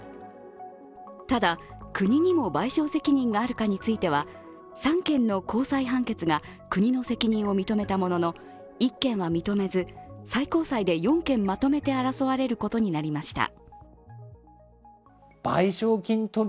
ただ、国にも賠償責任があるかについては３件の高裁判決が国の責任を認めたものの１件は認めず、最高裁で４件まとめて争われることになりました。